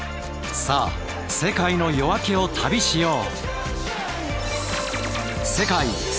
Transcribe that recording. さあ世界の夜明けを旅しよう！